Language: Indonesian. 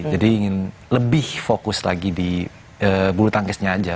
jadi ingin lebih fokus lagi di bulu tangkisnya aja